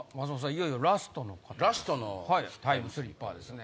いよいよラストのタイムスリッパーですね。